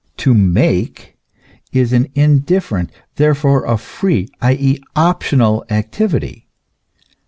To make is an indifferent, therefore a free, i. e., optional activity.